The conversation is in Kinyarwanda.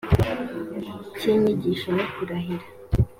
cy inyigisho no kurahira